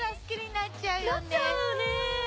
なっちゃうよね。